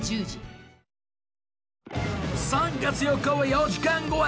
３月４日は４時間超え